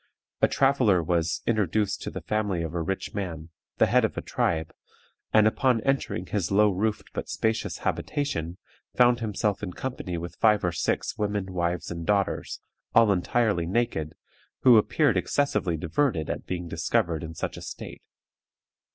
A traveler was introduced to the family of a rich man, the head of a tribe, and upon entering his low roofed but spacious habitation, found himself in company with five or six women, wives and daughters, all entirely naked, who appeared excessively diverted at being discovered in such a state.